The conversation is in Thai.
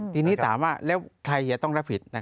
ทีนี้ถามว่าแล้วใครจะต้องรับผิด